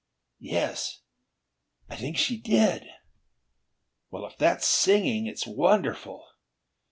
"Yes! I think she did. Well, if that's singing, it's wonderful!